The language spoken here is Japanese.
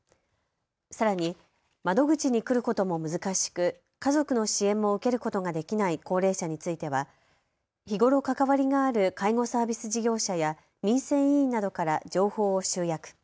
さらに窓口に来ることも難しく家族の支援も受けることができない高齢者については日頃、関わりがある介護サービス事業者や民生委員などから情報を集約。